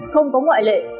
không có ngoại lệ